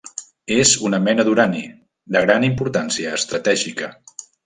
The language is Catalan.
És una mena d'urani, de gran importància estratègica.